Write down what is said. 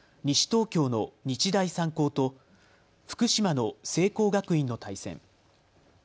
東京の日大三高と福島の聖光学院の対戦。